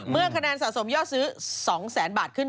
เมื่อคะแนนสะสมยอดซื้อ๒๐๐๐๐๐บาท